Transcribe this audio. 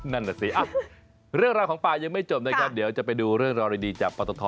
นั่นแหละสิเรื่องราวของป่ายังไม่จบนะครับเดี๋ยวจะไปดูเรื่องราวดีจากปตท